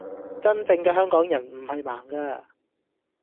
真正嘅香港人唔係盲㗎